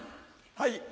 はい。